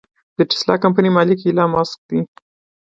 د ټسلا کمپنۍ مالک ايلام مسک دې.